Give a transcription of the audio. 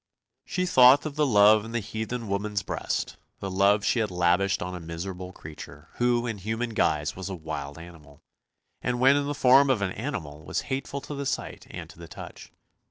She thought of the love in the heathen woman's breast, the love she had lavished on a miserable creature, who in human guise was a wild animal, and when in the form of an animal was hateful to the sight and to the touch.